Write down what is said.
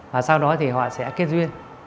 và sau đó thì họ sẽ kết duyên